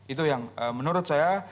itu yang menurut saya